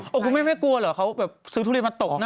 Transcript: คุณแม่ไม่กลัวเหรอเขาแบบซื้อทุเรียนมาตบหน้า